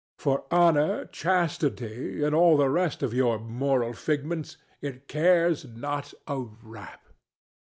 For honor, chastity and all the rest of your moral figments it cares not a rap.